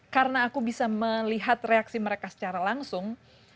karena aku bisa melihat reaksi mereka secara langsung